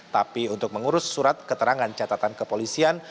tapi untuk mengurus surat keterangan catatan kepolisian